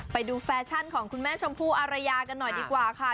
แฟชั่นของคุณแม่ชมพู่อารยากันหน่อยดีกว่าค่ะ